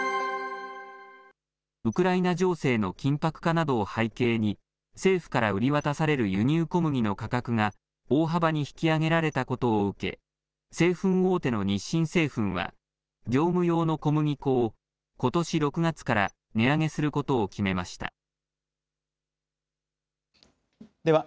ウクライナ情勢の緊迫化などを背景に、政府から売り渡される輸入小麦の価格が大幅に引き上げられたことを受け、製粉大手の日清製粉は、業務用の小麦粉をことし６月から値上げすることを決めました。